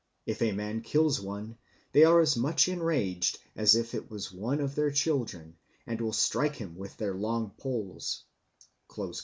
If a man kills one, they are as much enraged as if it was one of their children, and will strike him with their long poles."